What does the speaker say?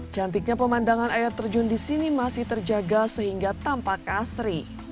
cantiknya pemandangan air terjun di sini masih terjaga sehingga tampak asri